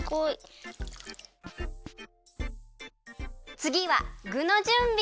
つぎはぐのじゅんび。